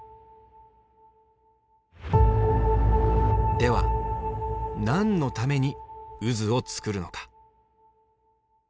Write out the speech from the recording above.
では何のために渦を作るのか？